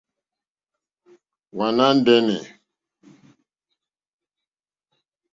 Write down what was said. Wàná ndɛ́nɛ̀.